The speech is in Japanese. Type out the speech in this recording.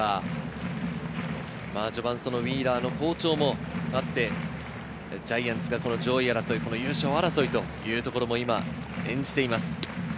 序盤、ウィーラーの好調もあって、ジャイアンツが上位争い、優勝争いというところも今、演じています。